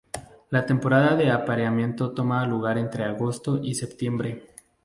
La temporada de apareamiento toma lugar entre agosto y septiembre.